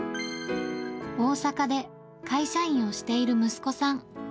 大阪で会社員をしている息子さん。